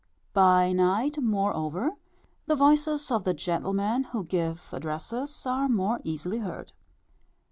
By night, moreover, the voices of the gentlemen who give addresses are more easily heard.